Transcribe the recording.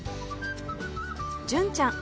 純ちゃん